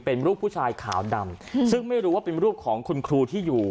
เป็นรูปผู้ชายขาวดำซึ่งไม่รู้ว่าเป็นรูปของคุณครูที่อยู่